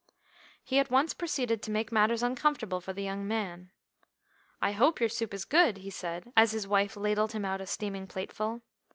He at once proceeded to make matters uncomfortable for the young man. "I hope your soup is good," he said, as his wife ladled him out a steaming plateful.